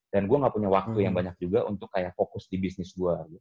dan gue gak punya waktu yang banyak juga untuk kayak fokus di bisnis gue